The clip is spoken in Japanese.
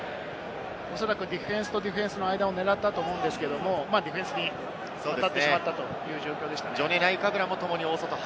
ディフェンスとディフェンスの間を狙ったと思うんですが、ディフェンスに当たったという状況でした。